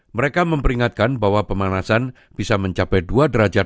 mereka memperingatkan bahwa pemanasan bisa mencapai dua derajat